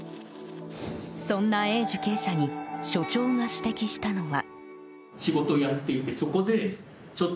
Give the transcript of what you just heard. そんなＡ受刑者に所長が指摘したのは。